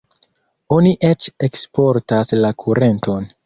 Oni eĉ eksportas la kurenton.